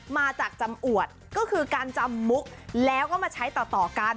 มาจากจำอวดก็คือการจำมุกแล้วก็มาใช้ต่อกัน